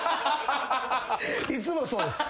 いつもそうです。